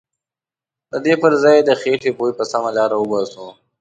ددې پرځای چې د خیټې بوی په سمه لاره وباسو.